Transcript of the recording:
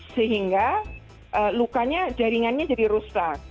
sehingga lukanya jaringannya jadi rusak